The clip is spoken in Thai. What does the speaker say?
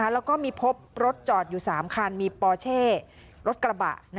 แล้วก็มีพบรถจอดอยู่๓คันมีปอเช่รถกระบะ